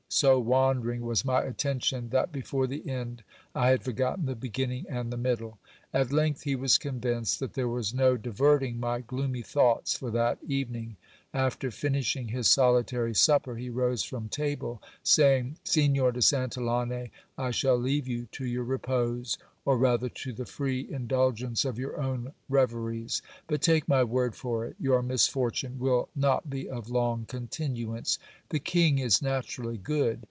So wandering was my attention, that before the end I had forgotten the beginning and the middle. At length he was convinced that there was no diverting my gloomy thoughts for that evening. After finishing his solitary supper, he rose from table, saying : Signor de Santillane, I shall leave you to your repose, or rather to the free in dulgence of your own reveries. But, take my word for it, your misfortune will not be of long continuance. The king is naturally good.